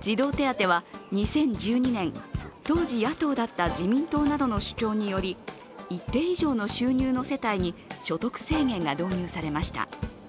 児童手当は２０１２年、当時野党だった自民党などの主張により一定以上の収入の世帯に所得制限が導入されました。